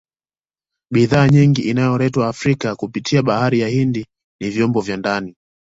Bidhaa nyingine inayoletwa Afrika kupitia bahari ya Hindi ni vyombo vya ndani